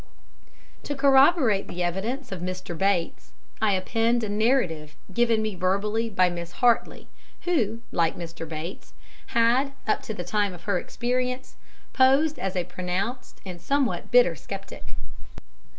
To corroborate the evidence of "Mr. Bates," I append a narrative given me verbally by Miss Hartly, who, like Mr. Bates, had, up to the time of her experience, posed as a pronounced and somewhat bitter sceptic.